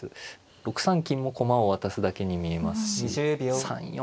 ６三金も駒を渡すだけに見えますし３四